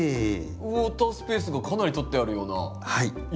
ウォータースペースがかなり取ってあるような印象なんですけど。